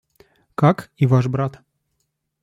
Как и ваш брат.